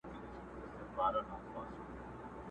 شیخ یې خوله غوږ ته نیژدې کړه چي واکمنه؛